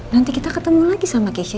nanti kita ketemu lagi sama kesha